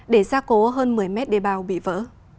để gia cố hơn một mươi mét đề bào bị vỡ